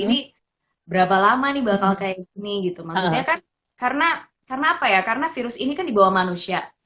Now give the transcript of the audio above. ini berapa lama nih bakal kayak gini gitu maksudnya kan karena apa ya karena virus ini kan dibawa manusia